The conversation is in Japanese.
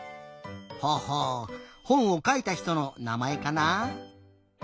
ほほうほんをかいたひとのなまえかな？